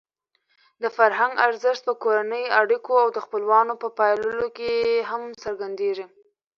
د فرهنګ ارزښت په کورنۍ اړیکو او د خپلوانو په پاللو کې هم څرګندېږي.